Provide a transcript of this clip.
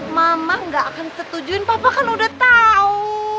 mama gak akan setujuin papa kan udah tahu